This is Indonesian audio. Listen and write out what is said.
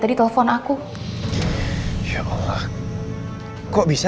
tapi mama kamu belum bisa